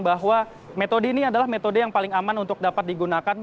bahwa metode ini adalah metode yang paling aman untuk dapat digunakan